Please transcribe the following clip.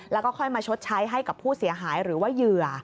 แล้วก็ค่อยมาชดใช้ให้กับผู้เสียหายหรือว่าเหยื่อ